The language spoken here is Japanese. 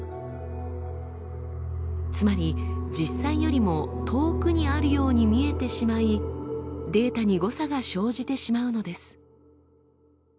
つまり実際よりも遠くにあるように見えてしまいデータに誤差が生じてしまうのです。